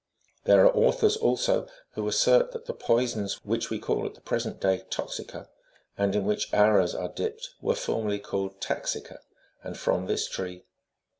There are authors, also, who assert that the poisons which we call at the present day " toxica," and in which arrows are dipped, were formerly called taxica,34 from this tree.